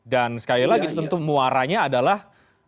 dan sekali lagi tentu muaranya adalah